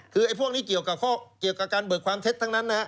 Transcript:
คือพวกนี้เกี่ยวกับการเบิกความเท็จทั้งนั้นนะฮะ